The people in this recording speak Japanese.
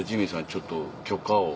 ちょっと許可を。